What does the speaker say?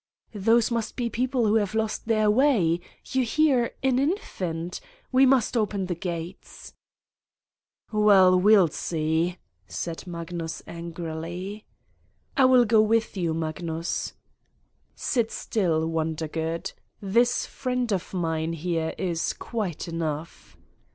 " Those must be people who have lost their way ... you hear an infant! We must open the gates. " "Well, we'll see," said Magnus angrily. "I will go with you, Magnus." "Sit still, Wondergood. This friend of mine, here, is quite enough